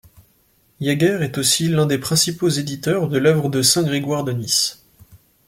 Jaeger est aussi l'un des principaux éditeurs de l'œuvre de saint Grégoire de Nysse.